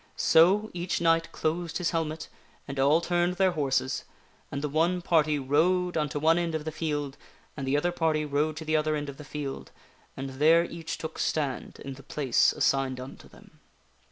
So, each knight closed his helmet, and all turned their horses, and the one party rode unto one end of the field, and the other party rode to the other end of the field, and there each took stand in the place assigned unto them.